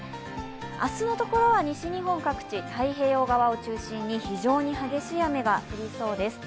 明日のところは西日本各地太平洋側を中心に非情に激しい雨が降りそうです。